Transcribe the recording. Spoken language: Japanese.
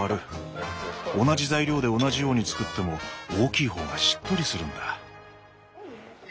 同じ材料で同じように作っても大きい方がしっとりするんだ。